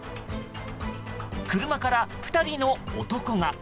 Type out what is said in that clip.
車から２人の男が。